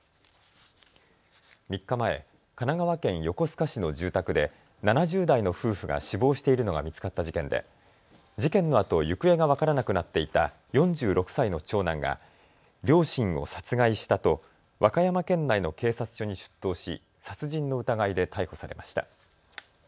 ３日前、神奈川県横須賀市の住宅で７０代の夫婦が死亡しているのが見つかった事件で事件のあと行方が分からなくなっていた４６歳の長男が両親を殺害したと和歌山県内の警察署に出頭し殺人の疑いで逮捕されました。